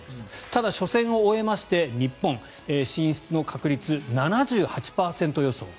ただ、初戦を終えまして日本進出の確率、７８％予想。